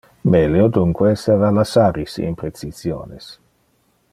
Melio dunque esseva lassar iste imprecisiones.